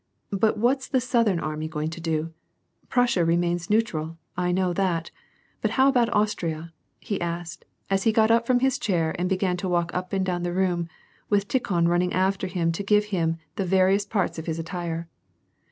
But what's the Southern army going to do ? Prussia remains neutral, I know that ; but how about Austria ?" he asked, as he got up from his chair and began to walk up and down the room, with Tikhon running after him to give him the various parts of his attire.